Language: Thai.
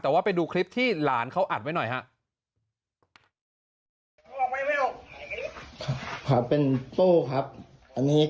แต่ว่าไปดูคลิปที่หลานเขาอัดไว้หน่อยครับ